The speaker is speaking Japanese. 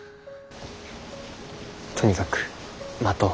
とにかく待とう。